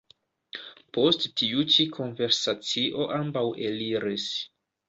Post tiu ĉi konversacio ambaŭ eliris.